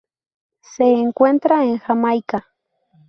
Se encuentra en Jamaica.